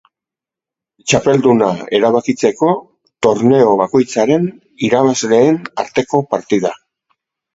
Txapelduna erabakitzeko torneo bakoitzaren irabazleen arteko partida.